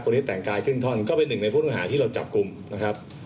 ที่แต่งกายครึ่งท่อนก็เป็นหนึ่งในผู้ต้องหาที่เราจับกลุ่มนะครับ